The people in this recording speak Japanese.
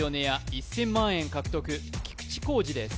１０００万円獲得菊地晃史です